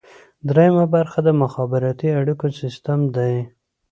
دریمه برخه د مخابراتي اړیکو سیستم دی.